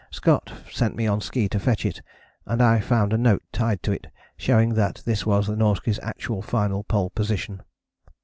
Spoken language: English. Scott sent me on ski to fetch it, and I found a note tied to it showing that this was the Norskies' actual final Pole position.